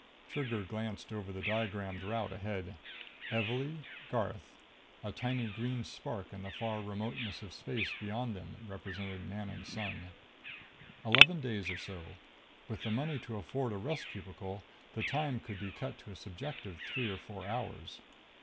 Trigger glanced over the diagrammed route ahead. Evalee.... Garth. A tiny green spark in the far remoteness of space beyond them represented Manon's sun. Eleven days or so. With the money to afford a rest cubicle, the time could be cut to a subjective three or four hours.